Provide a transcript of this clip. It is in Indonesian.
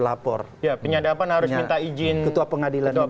ya penyadapan harus minta izin ketua pengadilan negeri